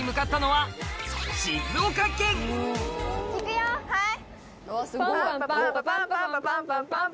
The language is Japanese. はい！